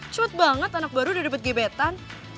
cepet banget anak baru udah dapet gibetan